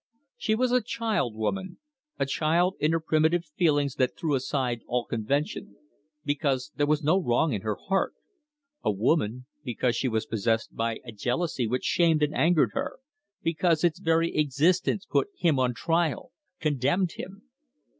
She was a child woman a child in her primitive feelings that threw aside all convention, because there was no wrong in her heart; a woman, because she was possessed by a jealousy which shamed and angered her, because its very existence put him on trial, condemned him.